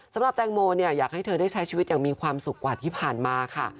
สำหรับแตงโมอยากให้เธอได้ใช้ชีวิตอย่างมีความสุขกว่าที่ผ่านมาค่ะ